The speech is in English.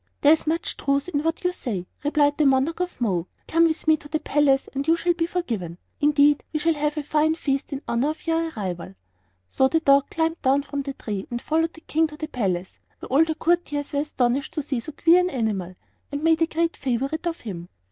"There is much truth in what you say," replied the Monarch of Mo. "Come with me to the palace, and you shall be forgiven; indeed, we shall have a fine feast in honor of your arrival." So the dog climbed down from the tree and followed the King to the palace, where all the courtiers were astonished to see so queer an animal, and made a great favorite of him.